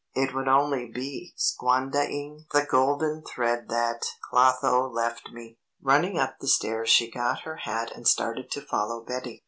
It would only be squandahing the golden thread that Clotho left me." Running up the stairs she got her hat and started to follow Betty.